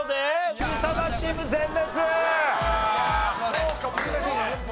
そうか難しいね。